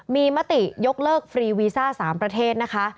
มีมติยกเลิกฟรีวีซ่า๓ประเทศนะคะ